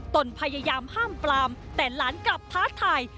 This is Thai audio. ตนพยายามห้ามปลามแต่หลานกลับท้าทาย